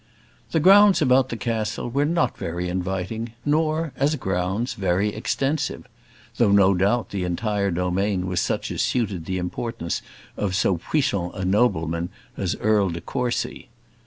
The grounds about the castle were not very inviting, nor, as grounds, very extensive; though, no doubt, the entire domain was such as suited the importance of so puissant a nobleman as Earl de Courcy.